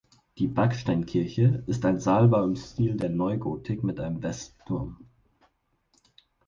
Die Backsteinkirche ist ein Saalbau im Stil der Neugotik mit einem Westturm.